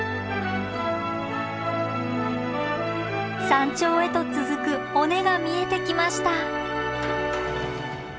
山頂へと続く尾根が見えてきました。